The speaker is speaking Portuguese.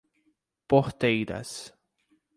Porteiras